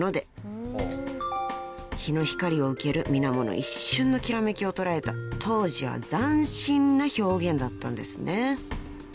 ［日の光を受ける水面の一瞬のきらめきを捉えた当時は斬新な表現だったんですね］